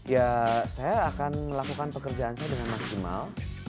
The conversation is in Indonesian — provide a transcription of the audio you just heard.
ya saya akan melakukan pekerjaan saya dengan maksimal